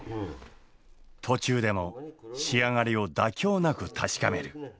途中でも仕上がりを妥協なく確かめる。